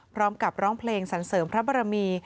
พร้อมกับร้องเพลงสรรเสริมพระบรมี